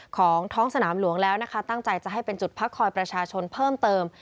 ของท้องสนามหลวงแล้วนะคะตั้งใจจะให้เป็นจุดพักคอยประชาชนเพิ่มเติม